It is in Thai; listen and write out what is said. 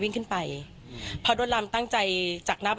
ตรงนั้นก็เห็นว่าข้างในมีคนห้ามแล้ว